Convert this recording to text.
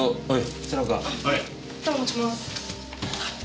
はい。